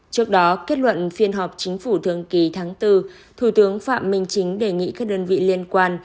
trước đó kết luận phiên họp chính phủ thường kỳ tháng bốn thủ tướng phạm minh chính đề nghị các đơn vị liên quan